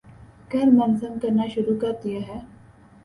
کر منظم کرنا شروع کر دیا ہے۔